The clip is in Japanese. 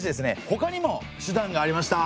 ほかにも手段がありました。